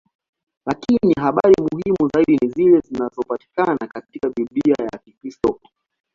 Lakini habari muhimu zaidi ni zile zinazopatikana katika Biblia ya Kikristo.